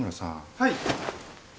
はい。